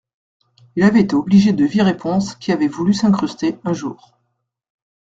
Il avait été obligé de virer Pons qui avait voulu s’incruster, un jour.